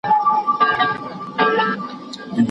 که زده کوونکی تمرين وکړي دا تعليم ته ګټه رسوي.